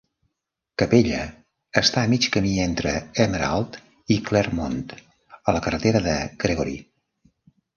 Capella està a mig camí entre Emerald i Clermont a la carretera de Gregory.